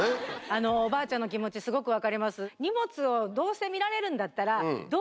あのおばあちゃんの気持ちすごく分かります。